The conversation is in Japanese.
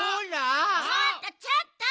ちょっとちょっと！